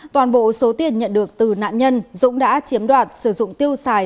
toàn bộ số tiền nhận được từ nạn nhân dũng đã chiếm đoạt sử dụng tiêu xài